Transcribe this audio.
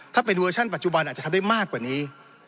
ถ้าเป็นเวอร์ชันปัจจุบันอาจจะทำได้มากกว่านี้